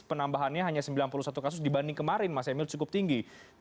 penambahannya hanya sembilan puluh satu kasus dibanding kemarin mas emil cukup tinggi